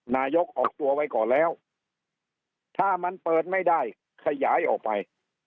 นายกออกตัวไว้ก่อนแล้วถ้ามันเปิดไม่ได้ขยายออกไป